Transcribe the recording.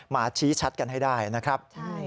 ชี้ชัดกันให้ได้นะครับ